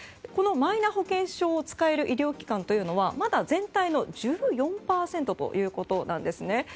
このマイナ保険証を使える医療機関というのはまだ全体の１４％ということなんですね。